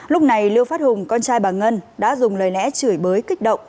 lúc này lưu phát hùng con trai bà ngân đã dùng lời lẽ chửi bới kích động